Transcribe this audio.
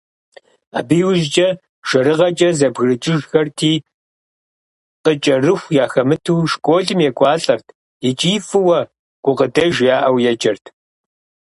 Абы иужькӏэ жэрыгъэкӏэ зэбгрыкӏыжхэрти, къыкӏэрыху яхэмыту, школым екӏуалӏэрт икӏи фӏыуэ, гукъыдэж яӏэу еджэрт.